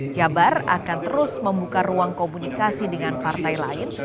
jabar akan terus membuka ruang komunikasi dengan partai lain